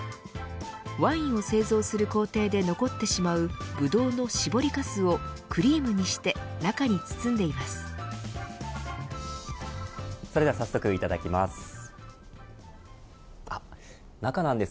ワインを製造する工程で残ってしまうブドウの搾りかすをクリームにして中に包んでいます。